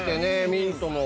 ミントも。